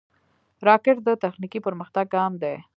راکټ د تخنیکي پرمختګ ګام دی